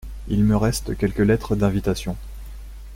Il me reste quelques lettres d’invitation.